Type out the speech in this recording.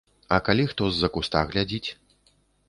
А калі хто з-за куста глядзіць?